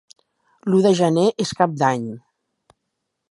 L'u de gener és Cap d'Any.